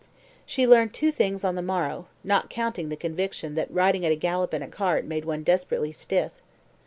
She learned two things on the morrow not counting the conviction that riding at a gallop in a cart made one desperately stiff.